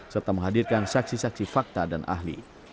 serta menghadirkan saksi saksi fakta dan ahli